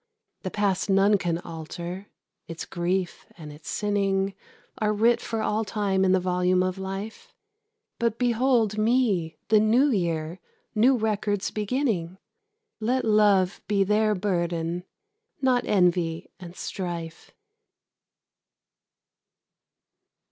The past none can alter; its grief and its sinning Are writ for all time in the volume of life, But behold me, the New Year, new records beginning; Let love be their burden, not envy and strife.